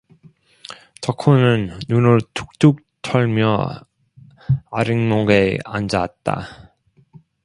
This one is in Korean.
덕호는 눈을 툭툭 털며 아랫목에 앉았다.